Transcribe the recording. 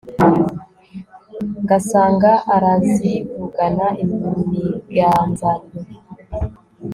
ngasanga arazivugana imiganzanyo